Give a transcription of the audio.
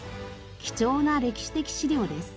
貴重な歴史的資料です。